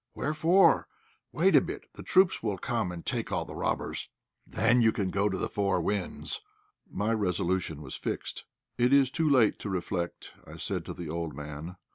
Wherefore? Wait a bit, the troops will come and take all the robbers. Then you can go to the four winds." My resolution was fixed. "It is too late to reflect," I said to the old man.